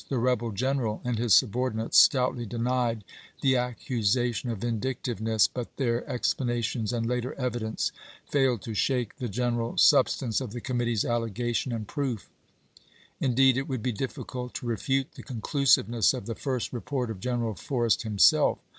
The rebel general and his subordinates stoutly denied the accusation of vindictiveness, but their explanations and later evidence failed to shake the general substance of the Committee's allegation and proof. Indeed, it would be difficult to refute the conclusiveness of the first report of General For rest himself.